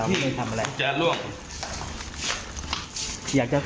ลองไปดูบรรยากาศช่วงนั้นนะคะ